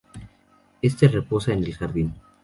Éste reposa en el jardín.